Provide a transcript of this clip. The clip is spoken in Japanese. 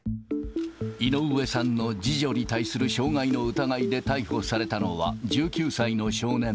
井上さんの次女に対する傷害の疑いで逮捕されたのは、１９歳の少年。